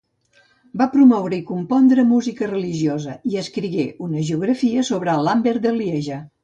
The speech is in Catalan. Va promoure i compondre música religiosa i escrigué una hagiografia sobre Lambert de Lieja.